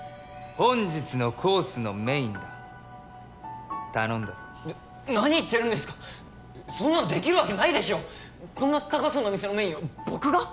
本日のコースのメインだ頼んだぞ何言ってるんですかそんなのできるわけないでしょうこんな高そうなお店のメインを僕が？